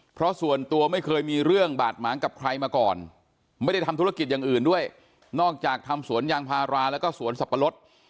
เพราะส่วนตัวไม่เคยมีเรื่องบาดหมางกับใครมาก่อนไม่ได้ทำธุรกิจอย่างอื่นด้วยนอกจากทำสวนยางพาราแล้วก็สวนสับปะรด